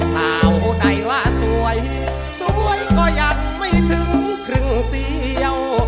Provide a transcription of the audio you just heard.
สาวใดว่าสวยสวยก็ยังไม่ถึงครึ่งเสียว